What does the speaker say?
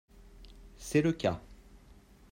C’est le cas